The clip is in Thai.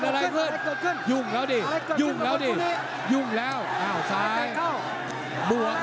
โดนไม่เห็นโคตระทีอ้าวบวกเข้าไปอีก